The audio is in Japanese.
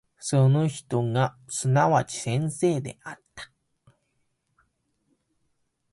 その人がすなわち先生であった。